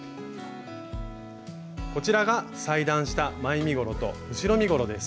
こちらが裁断した前身ごろと後ろ身ごろです。